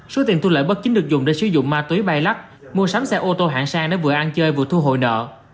số tiền thu lợi bất chính được dùng để sử dụng ma túy bay lắc mua sắm xe ô tô hạng sang để vừa ăn chơi vừa thu hồi nợ